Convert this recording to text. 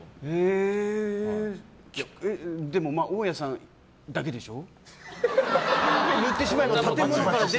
でも、大家さんだけでしょ？